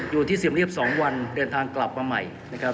อยู่ที่เสียมเรียบ๒วันเดินทางกลับมาใหม่